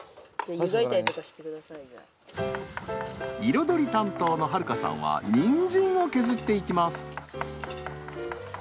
彩り担当の遥加さんはにんじんを削っていきます。